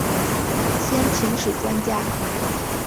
先秦史专家。